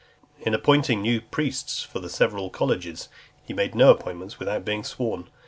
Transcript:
In appointing new priests for the several colleges, he made no appointments without being sworn.